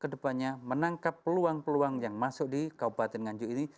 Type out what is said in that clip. kedepannya menangkap peluang peluang yang masuk di kabupaten nganjuk ini